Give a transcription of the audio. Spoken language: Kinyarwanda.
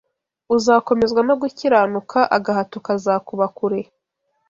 Uzakomezwa no gukiranuka Agahato kazakuba kure